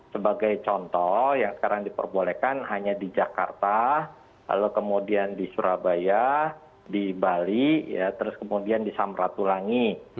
sebagai contoh yang sekarang diperbolehkan hanya di jakarta lalu kemudian di surabaya di bali terus kemudian di samratulangi